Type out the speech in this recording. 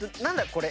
これ。